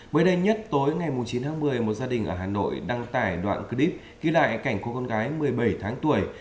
mới đây nhất tối ngày chín tháng một mươi một gia đình ở hà nội đăng tải đoạn clip ghi lại cảnh cô con gái một mươi bảy tháng tuổi